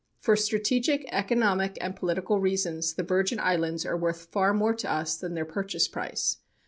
For strategic, economic and political reasons the Virgin Islands are worth far more to us than their purchase price.